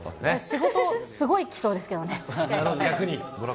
仕事、すごい来そうですけど確かに。